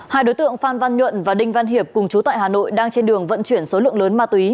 hai đối tượng phan văn nhuận và đinh văn hiệp cùng chú tại hà nội đang trên đường vận chuyển số lượng lớn ma túy